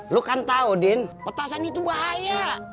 lo kan tau din petasan itu bahaya